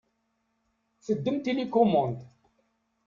Teddem tilikumund.